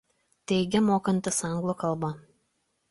Teigia mokantis anglų kalbą.